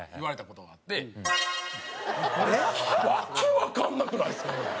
訳わかんなくないですか？